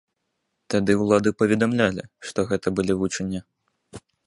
Тады ўлады паведамлялі, што гэта былі вучэнні.